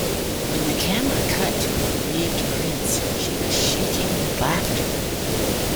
When the camera cut to a "bereaved" Prinz, she was shaking with laughter.